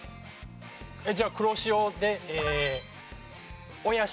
じゃあ黒潮で親潮。